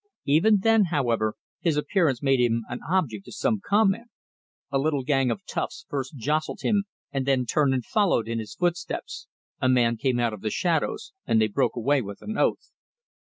Even then, however, his appearance made him an object of some comment. A little gang of toughs first jostled him and then turned and followed in his footsteps. A man came out of the shadows, and they broke away with an oath.